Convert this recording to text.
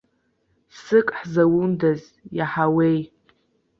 Сык ҳзаундаз, иаҳауеи.